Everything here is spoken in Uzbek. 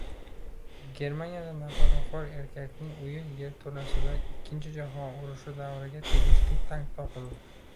Germaniyada nafaqaxo‘r erkakning uyi yerto‘lasidan Ikkinchi jahon urushi davriga tegishli tank topildi